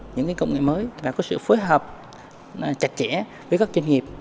những công nghệ mới và có sự phối hợp chặt chẽ với các doanh nghiệp